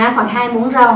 khoảng hai muỗng rau